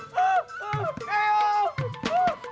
maaf ya bang